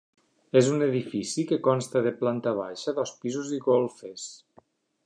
És un edifici que consta de planta baixa, dos pisos i golfes.